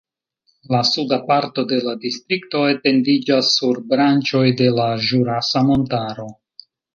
La suda parto de la distrikto etendiĝas sur branĉoj de la Ĵurasa Montaro.